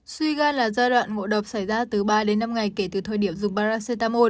suy ga là giai đoạn ngộ độc xảy ra từ ba đến năm ngày kể từ thời điểm dùng baracetamol